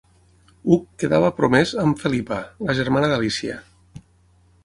Hug quedava promès amb Felipa, la germana d'Alícia.